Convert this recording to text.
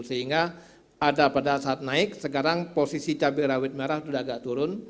sehingga ada pada saat naik sekarang posisi cabai rawit merah sudah agak turun